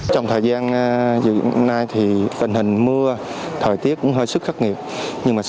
trong thời gian dự hôm nay thì tình hình mưa thời tiết cũng hơi sức khắc nghiệt nhưng mà